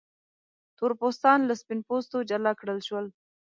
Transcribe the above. تور پوستان له سپین پوستو جلا کړل شول.